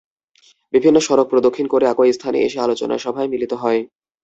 বিভিন্ন সড়ক প্রদক্ষিণ করে একই স্থানে এসে আলোচনা সভায় মিলিত হয়।